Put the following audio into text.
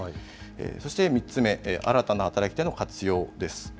そして３つ目、新たな働き手の活用です。